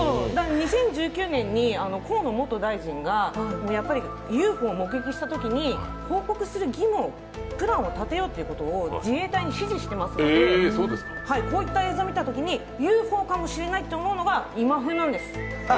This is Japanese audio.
２０１９年に河野元大臣がＵＦＯを目撃したときに報告する義務を出そうと自衛隊に指示していますので、こういった映像を見たときにＵＦＯかもしれないと思うのが今風なんです。